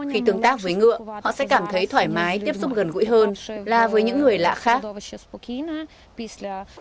khi tương tác với ngựa họ sẽ cảm thấy thoải mái tiếp xúc gần gũi hơn là với những người lạ khác